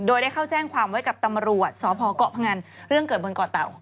โดยได้เข้าแจ้งความไว้กับตำรวจสพเกาะพงันเรื่องเกิดบนเกาะเต่า